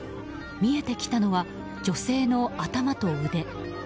見えてきたのは女性の頭と腕。